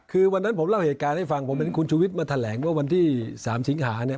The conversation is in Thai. คือวันนั้นผมเล่าเหตุการณ์ให้ฟังผมเห็นคุณชุวิตมาแถลงเมื่อวันที่๓สิงหาเนี่ย